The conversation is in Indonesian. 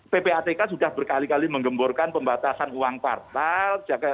pp atk sudah berkali kali menggemburkan pembatasan uang kartal